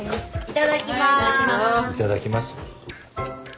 いただきます。